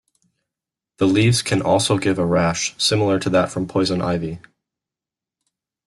The leaves can also give a rash similar to that from poison ivy.